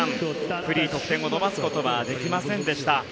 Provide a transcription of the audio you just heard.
フリー、得点を伸ばすことはできませんでした。